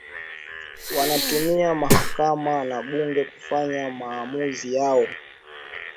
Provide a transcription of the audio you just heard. Wanatumia mahakama na bunge kufanya maamuzi yao